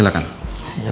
kalau tidak saya tahu